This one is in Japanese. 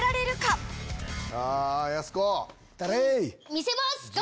見せます！